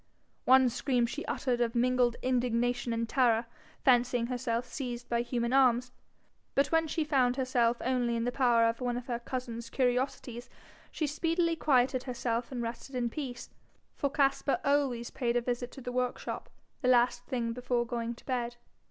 One scream she uttered of mingled indignation and terror, fancying herself seized by human arms; but when she found herself only in the power of one of her cousin's curiosities, she speedily quieted herself and rested in peace, for Caspar always paid a visit to the workshop the last thing before going to bed.